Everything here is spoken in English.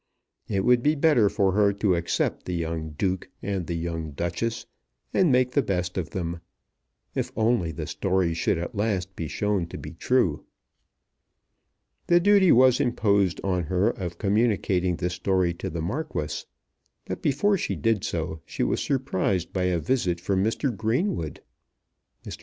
It would be better for her to accept the young Duke and the young Duchess, and make the best of them. If only the story should at last be shown to be true! The duty was imposed on her of communicating the story to the Marquis; but before she did so she was surprised by a visit from Mr. Greenwood. Mr.